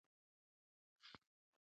دوی پرون د خپل کلتور په اړه خبرې کړې وې.